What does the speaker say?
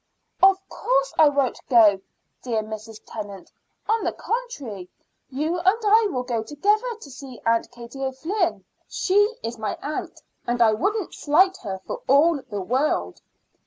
"Of course I won't go, dear Mrs. Tennant. On the contrary, you and I will go together to see Aunt Katie O'Flynn. She is my aunt, and I wouldn't slight her for all the world.